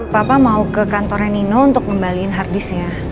papa mau ke kantornya nino untuk ngembalikan harddisknya